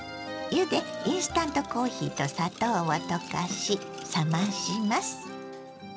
湯でインスタントコーヒーと砂糖を溶かし冷まします。